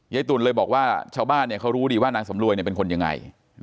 ยายตุ๋นเลยบอกว่าชาวบ้านเนี่ยเขารู้ดีว่านางสำรวยเนี่ยเป็นคนยังไง